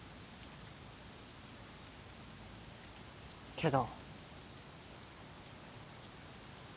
けど。